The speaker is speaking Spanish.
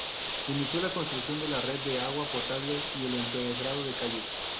Inició la construcción de la red de agua potable y el empedrado de calles.